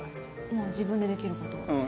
まあ自分でできることは。